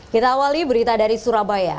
kita awali berita dari surabaya